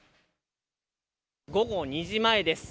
午後２時前です。